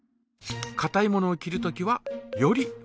かたいものを切るときはより太く。